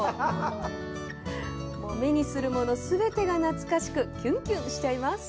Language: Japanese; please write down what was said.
目にするもの全てが懐かしくキュンキュンしちゃいます。